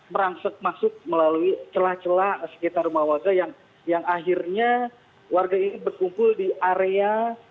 merangsek masuk melalui celah celah sekitar rumah warga yang akhirnya warga ini berkumpul di area